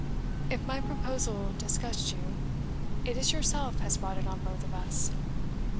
If my proposal disgust you, it is yourself has brought it on both of us.